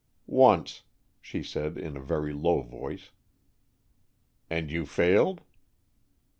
"Once," she said, in a very low voice. "And you failed?"